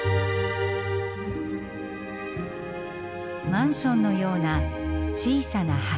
マンションのような小さな墓。